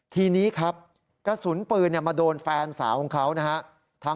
ทีนี้ครับกระสุนปืนมาโดนแฟนสาวของเขานะฮะ